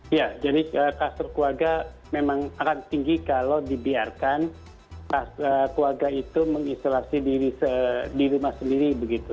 iya jadi kluster keluarga memang akan tinggi kalau dibiarkan keluarga itu mengisolasi di rumah sendiri begitu